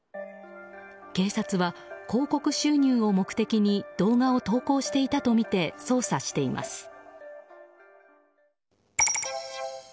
警察は広告収入を目的に動画を投稿していたとみて捜査しています。